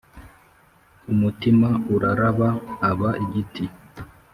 umutima uraraba aba igiti.